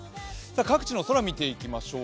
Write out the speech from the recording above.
各地の空を見ていきましょう。